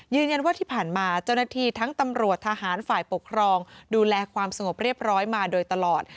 ยืนยันว่าที่ผ่านมาเจ้าหน้าที่ทั้งตำรวจทหารฝ่ายปกครองดูแลความสงบเรียบร้อยมาโดยตลอด